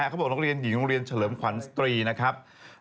เขาบอกโรงเรียนหญิงโรงเรียนเฉลิมขวัญสตรีนะครับ